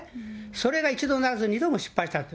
それが一度ならず２度も失敗したと。